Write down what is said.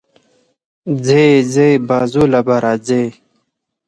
ځې ځې، بازو له به راځې